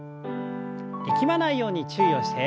力まないように注意をして。